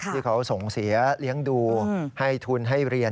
ที่เขาส่งเสียเลี้ยงดูให้ทุนให้เรียน